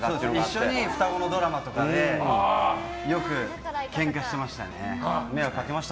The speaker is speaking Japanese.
一緒に双子のドラマとかでよくケンカしてましたね。